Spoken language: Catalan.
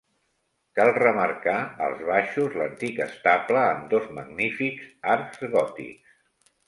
Cal remarcar als baixos, l'antic estable amb dos magnífics arcs gòtics.